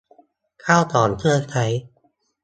ข้าวของเครื่องใช้